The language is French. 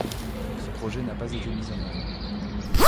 Ce projet n'a pas été mis en œuvre.